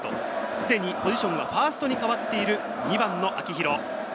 すでにポジションはファーストにかわっている２番の秋広。